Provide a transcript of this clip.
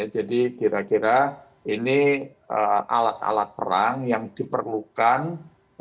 jadi kira kira ini alat alat perang yang diperlukan untuk tni itu bisa berfungsi